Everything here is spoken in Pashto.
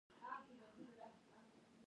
سېد جلال امیر په لور واښه او ټانټې ورېبلې